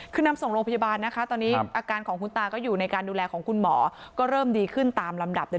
คือนำส่งโรงพยาบาลนะคะตอนนี้อาการของคุณตาก็อยู่ในการดูแลของคุณหมอก็เริ่มดีขึ้นตามลำดับเลย